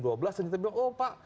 dan dia bilang oh pak